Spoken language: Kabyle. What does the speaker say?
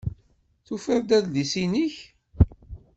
Tufiḍ-d adlis-nnek?